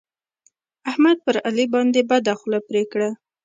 احمد پر علي باندې بده خوله پرې کړه.